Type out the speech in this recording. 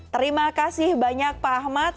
terima kasih banyak pak ahmad